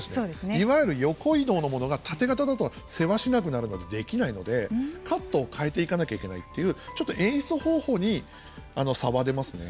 いわゆる横移動のものがタテ型だと世話しなくなるのでできないのでカットを変えていかなきゃいけないというちょっと演出方法に差は出ますね。